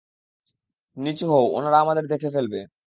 নিচু হও, ওনারা আমাদের দেখে ফেলবে।